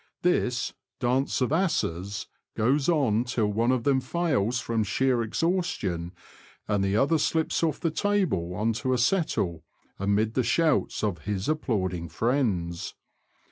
This "dance of asses" goes on till one of them fails from sheer exhaustion, and the other slips off the table on to a settle, amid the shouts of his applauding friends.